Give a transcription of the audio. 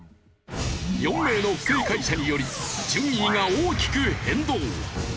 ４名の不正解者により順位が大きく変動。